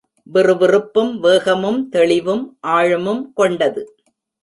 விறுவிறுப்பும், வேகமும், தெளிவும், ஆழமும் கொண்டது.